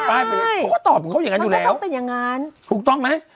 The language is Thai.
เขาก็ตอบอย่างนั้นอยู่แล้วถูกต้องไหม